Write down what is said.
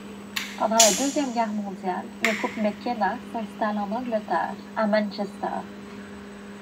Pendant la Deuxième Guerre mondiale, le couple McKenna s'installe en Angleterre à Manchester.